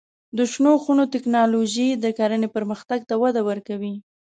د شنو خونو تکنالوژي د کرنې پرمختګ ته وده ورکوي.